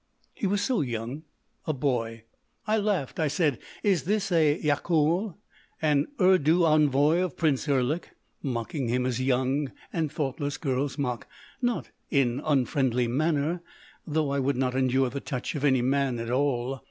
"He was so young ... a boy. I laughed. I said: 'Is this a Yaçaoul? An Urdu envoy of Prince Erlik?'—mocking him as young and thoughtless girls mock—not in unfriendly manner—though I would not endure the touch of any man at all.